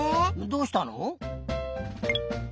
どうしたの？